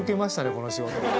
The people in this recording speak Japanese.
この仕事。